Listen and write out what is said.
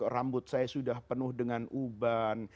rambut saya sudah penuh dengan uban